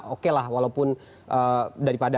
oke lah walaupun daripada